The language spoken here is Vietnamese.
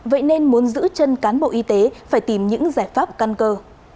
vậy nên muốn giữ chân cán bộ y tế phải tìm những giải pháp căn cơ